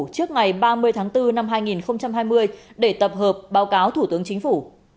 trước ngày ba mươi tháng bốn năm hai nghìn hai mươi để tập hợp báo cáo thủ tướng chính phủ